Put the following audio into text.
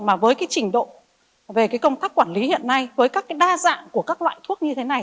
mà với cái trình độ về cái công tác quản lý hiện nay với các cái đa dạng của các loại thuốc như thế này